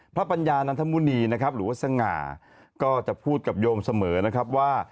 ปัญญานันทมุณีนะครับหรือว่าสง่าก็จะพูดกับโยมเสมอนะครับว่า